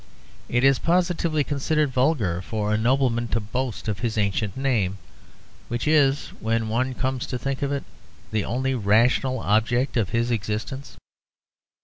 It is positively considered vulgar for a nobleman to boast of his ancient name, which is, when one comes to think of it, the only rational object of his existence.